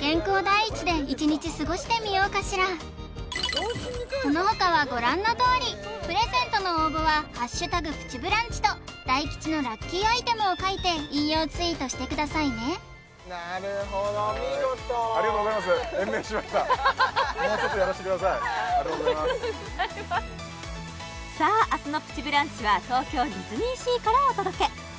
健康第一で一日過ごしてみようかしらそのほかはご覧のとおりプレゼントの応募は「＃プチブランチ」と大吉のラッキーアイテムを書いて引用ツイートしてくださいねなるほどもうちょっとやらせてくださいありがとうございますさあ明日の「プチブランチ」は東京ディズニーシーからお届け